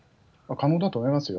可能だと思いますよ。